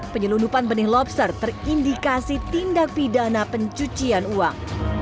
penyelundupan benih lobster terindikasi tindak pidana pencucian uang